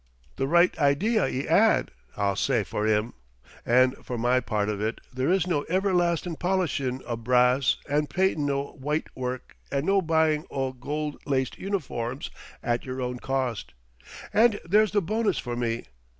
The right idea 'e 'ad, I'll say for 'im. And for my part of it there is no everlastin' polishin' o' brahss and painting o' white work and no buying o' gold laced uniforms at your own cost. And there's the bonus for me.